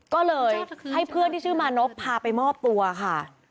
ก็เลยให้เพื่อนที่ชื่อมานพพาไปมอบตัวค่ะ